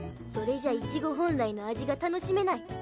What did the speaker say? それじゃイチゴ本来の味が楽しめない。